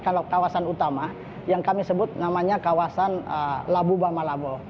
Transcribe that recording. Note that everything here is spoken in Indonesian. kalau kawasan utama yang kami sebut namanya kawasan labu bamalabo